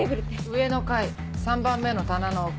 上の階３番目の棚の奥。